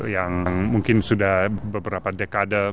yang mungkin sudah beberapa dekade